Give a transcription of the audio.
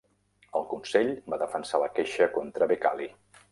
El Consell va defensar la queixa contra Becali.